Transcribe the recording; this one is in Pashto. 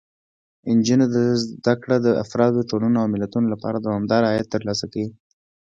د نجونو زده کړه د افرادو، ټولنو او ملتونو لپاره دوامداره عاید ترلاسه کوي.